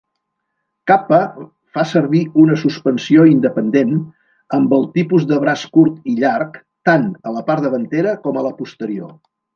Kappa fa servir una suspensió independent, amb el tipus de braç curt i llarg, tant a la part davantera com a la posterior.